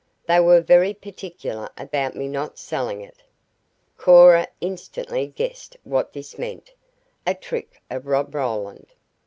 They were very particular about me not selling it." Cora instantly guessed what this meant a trick of Rob Roland.